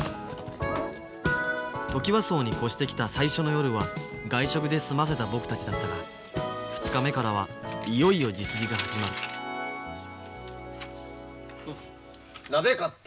トキワ荘に越してきた最初の夜は外食で済ませた僕たちだったが２日目からはいよいよ自炊が始まる鍋買った。